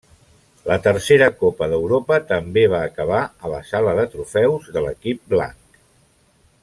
La tercera Copa d'Europa també va acabar a la sala de trofeus de l'equip blanc.